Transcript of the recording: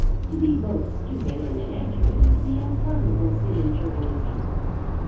To be both stupid and inaccurate is the unpardonable sin in journalism.